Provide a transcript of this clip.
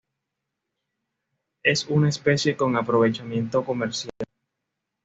Es una especie con aprovechamiento comercial.